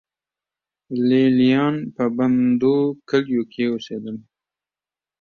لې لیان په بندو کلیو کې اوسېدل